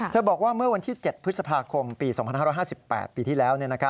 บอกว่าเมื่อวันที่๗พฤษภาคมปี๒๕๕๘ปีที่แล้ว